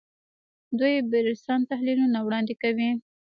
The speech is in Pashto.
دوی برسېرن تحلیلونه وړاندې کوي